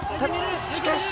しかし。